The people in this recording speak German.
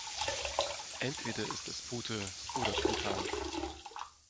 Entweder ist es Pute oder Truthahn.